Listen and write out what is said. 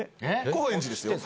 高円寺ですよ？